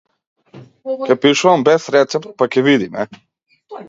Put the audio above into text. Ќе пишувам без рецепт, па ќе видиме.